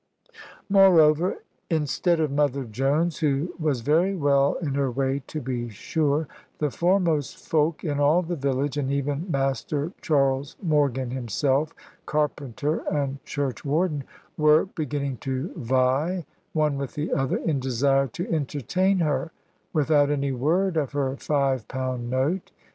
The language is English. Moreover, instead of Mother Jones (who was very well in her way, to be sure), the foremost folk in all the village, and even Master Charles Morgan himself, carpenter and churchwarden, were beginning to vie, one with the other, in desire to entertain her, without any word of her five pound note.